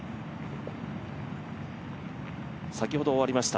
先ほど終わりました